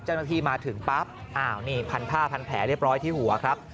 เจ้าหน้าที่มาถึงปั๊บอ้าวนี่พันผ้าพันแผลเรียบร้อยที่หัวครับ